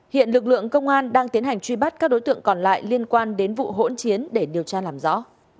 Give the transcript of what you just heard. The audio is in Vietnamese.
hiện lực lượng công an đang tiến hành truy bắt các đối tượng còn lại liên quan đến vụ hỗn chiến để điều tra làm rõ